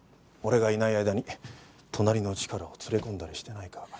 俺がいない間に隣のチカラを連れ込んだりしてないか。